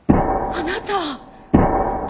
「あなた」！？